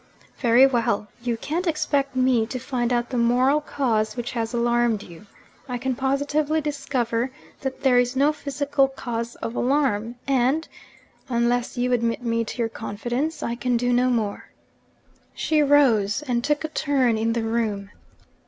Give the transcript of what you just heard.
'Very well. You can't expect me to find out the moral cause which has alarmed you. I can positively discover that there is no physical cause of alarm; and (unless you admit me to your confidence) I can do no more.' She rose, and took a turn in the room.